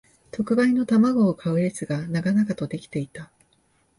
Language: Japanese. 特売の玉子を買う列が長々と出来ていた